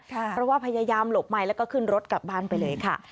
เพราะว่าพยายามหลบไมค์แล้วก็ขึ้นรถกลับบ้านไปเลยค่ะ